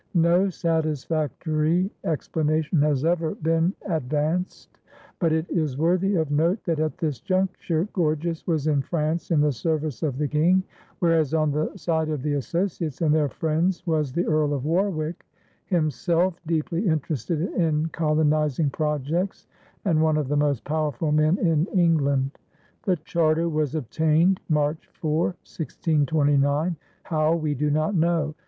No satisfactory explanation has ever been advanced, but it is worthy of note that at this juncture Gorges was in France in the service of the King, whereas on the side of the associates and their friends was the Earl of Warwick, himself deeply interested in colonizing projects and one of the most powerful men in England. The charter was obtained March 4, 1629 how, we do not know.